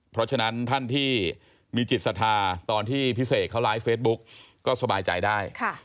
เพราะฉะนั้นท่านที่มีจิตศรัทธาตอนที่พี่เสกเขาไลฟ์เฟซบุ๊กก็สบายใจได้